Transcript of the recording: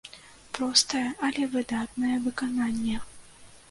Простае, але выдатнае выкананне.